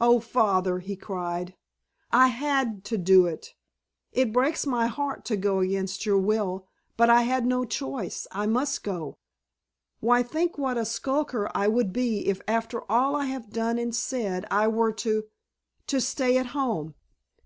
"Oh, Father," he cried, "I had to do it! It breaks my heart to go against your will. But I had no choice. I must go. Why, think what a skulker I would be if after all I have done and said I were to—to stay at home!"